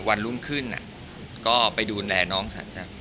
เอ่อวันรุ่งขึ้นอ่ะก็ไปดูแลน้องฉันครับ